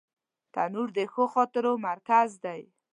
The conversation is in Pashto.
تنور د ښو خاطرو مرکز دی